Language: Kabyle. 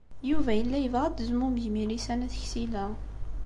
Yuba yella yebɣa ad d-tezmumeg Milisa n At Ksila.